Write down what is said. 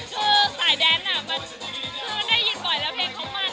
คิดว่าเพลงเค้ามีเสนงยังไงบ้าง